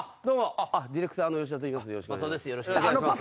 ディレクターのヨシダといいます。